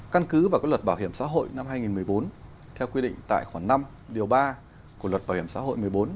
căn cứ vào luật bảo hiểm xã hội năm hai nghìn một mươi bốn theo quy định tại khoảng năm điều ba của luật bảo hiểm xã hội một mươi bốn